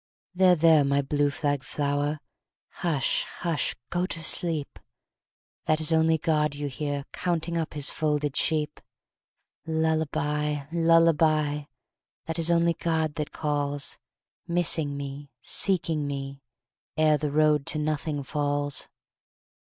"There there, my blue flag flower; Hush hush go to sleep; That is only God you hear, Counting up His folded sheep! Lullabye lullabye That is only God that calls, Missing me, seeking me, Ere the road to nothing falls!